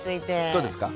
どうですか？